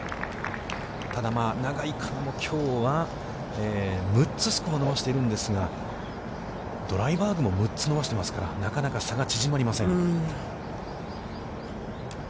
ただ、永井花奈もきょうは、６つスコアを伸ばしているんですが、ドライバーグも６つ伸ばしていますから、なかなか差が縮まりません。